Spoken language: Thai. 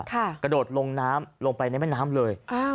ครับกระโดดลงน้ำลงไปในแม่น้ำเลยอ้าว